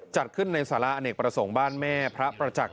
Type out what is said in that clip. จัดขึ้นในสาระอเนกประสงค์บ้านแม่พระประจักษ